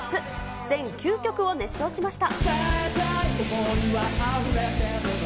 全９曲を熱唱しました。